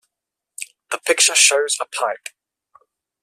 The picture shows a pipe.